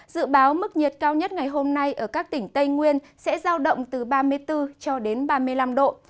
dự báo mức nhiệt cao nhất ngày hôm nay ở các tỉnh tây nguyên sẽ giao động từ ba mươi bốn cho đến ba mươi năm độ